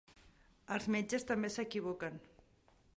Els metges també s'equivoquen.